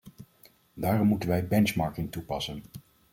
Daarom moeten wij benchmarking toepassen.